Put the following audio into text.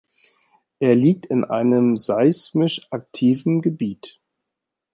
Er liegt in einem seismisch aktiven Gebiet.